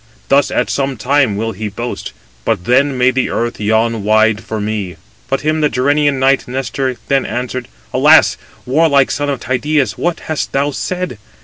Thus at some time will he boast: but then may the earth yawn wide for me." But him the Gerenian knight Nestor then answered: "Alas! warlike son of Tydeus, what hast thou said?